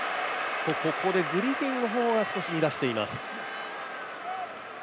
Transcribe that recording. ここでグリフィンの方が少し乱しています。